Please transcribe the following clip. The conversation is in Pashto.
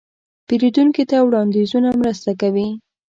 پیرودونکي ته وړاندیزونه مرسته کوي.